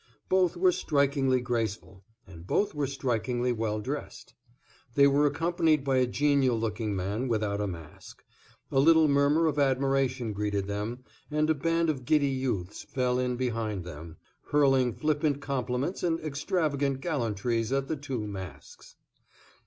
Both were strikingly graceful, and both were strikingly well dressed. They were accompanied by a genial looking man without a mask. A little murmur of admiration greeted them, and a band of giddy youths fell in behind them, hurling flippant compliments and extravagant gallantries at the two masks.